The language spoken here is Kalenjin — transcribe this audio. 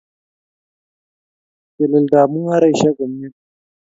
Teleldo ab mung'areshek komie